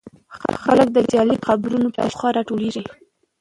خلک د جعلي قبرونو په شاوخوا راټولېږي.